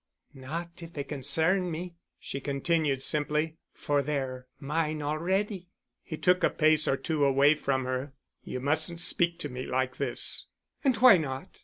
"Not if they concern me," she continued simply, "for they're mine already." He took a pace or two away from her. "You mustn't speak to me like this." "And why not?